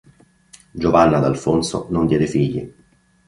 Giovanna ad Alfonso non diede figli.